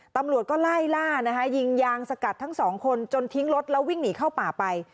ตำรวจก็ไล่ล่านะคะยิงยางสกัดทั้งสองคนจนทิ้งรถแล้ววิ่งหนีเข้าป่าไป